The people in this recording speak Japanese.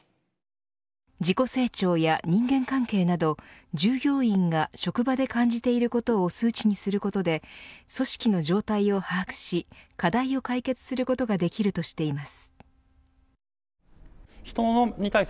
自己成長や人間関係など従業員が職場で感じていることを数値にすることで組織の状態を把握し課題を解決することができるとしています。